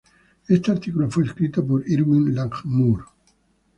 Este artículo fue escrito por Irving Langmuir.